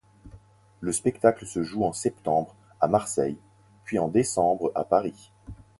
Le spectacle se joue en septembre à Marseille, puis en décembre à Paris.